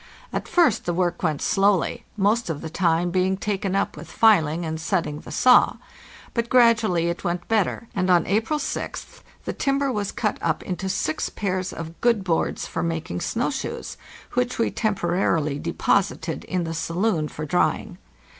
At first the work went slowly, most of the time being taken up with filing and setting the saw; but gradually it went better, and on April 6th the timber was cut up into six pairs of good boards for making snow shoes, which we temporarily de posited in the saloon for drying.